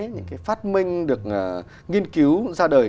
những phát minh được nghiên cứu ra đời